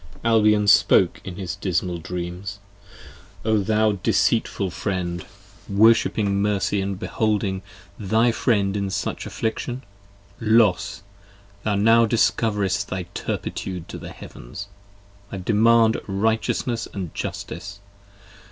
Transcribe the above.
Albion spoke in his dismal dreams : O thou deceitful friend, 46 io Worshipping mercy & beholding thy friend in such affliction: Los ! thou now discoverest thy turpitude to the heavens. I demand righteousness & justice.